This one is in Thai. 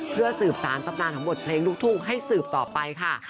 เพื่อสืบสารตับนานของผลงานลุกทุกข์ให้สืบต่อไปค่ะ